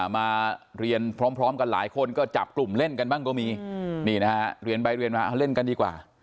มาเรียนพร้อมกันหลายคนก็จับกลุ่มเล่นกันบ้างก็มีนี่นะฮะเรียนไปเรียนมาเล่นกันดีกว่า